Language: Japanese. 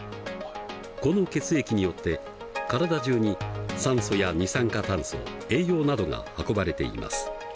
この血液によって体中に酸素や二酸化炭素栄養などが運ばれています。